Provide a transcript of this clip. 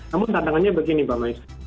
namun tantangannya begini mbak maestri